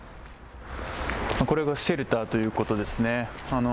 これがシェルターということですね。